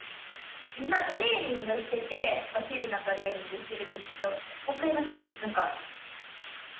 今トレーニングしててお尻のトレーニングしてるんですけど分かりますかね何か。